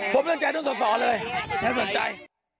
ผมไม่ได้สนใจกับท่านส่อเลยไม่ได้สนใจ